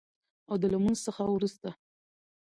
او د لمونځ څخه وروسته